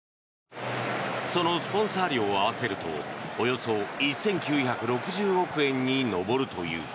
そのスポンサー料を合わせるとおよそ１９６０億円に上るという。